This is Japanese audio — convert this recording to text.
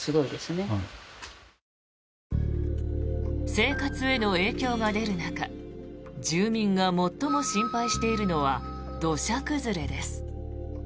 生活への影響が出る中住民が最も心配しているのは土砂崩れです。